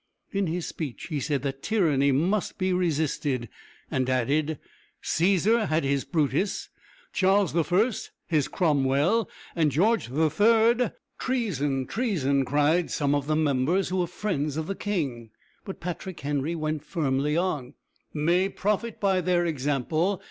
In his speech he said that tyranny must be resisted, and added: "Cæsar had his Brutus, Charles I. his Cromwell, and George III. " "Treason! Treason!" cried some of the members who were friends of the king. But Patrick Henry went firmly on, "may profit by their example.